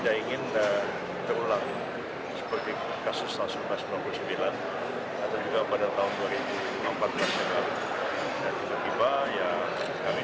dan tiba tiba kami sudah masuk ke dalam keadaan yang berbeda